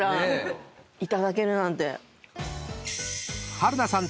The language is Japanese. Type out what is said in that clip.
［春菜さん